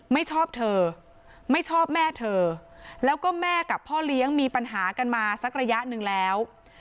ไม่ชอบเธอไม่ชอบแม่เธอแล้วก็แม่กับพ่อเลี้ยงมีปัญหากันมาสักระยะหนึ่งแล้ว